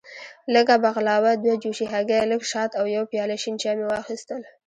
لږه بغلاوه، دوه جوشې هګۍ، لږ شات او یو پیاله شین چای مې واخیستل.